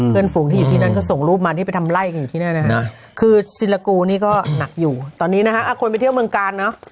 เพื่อนฝงที่อยู่ที่นั้นก็ส่งรูปไปร่ายคลุมแรกที่นั่นนะคะคือศิลกูนี่ก็หนักอยู่ตอนนี้นะคะคนไปเที่ยวเมืองกานนะ